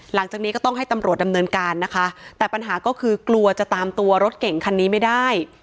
หลังจากนี้ก็ต้องให้ตำรวจดำเนินการนะคะแต่ปัญหาก็คือกลัวจะตามตัวรถเก่งคันนี้ไม่ได้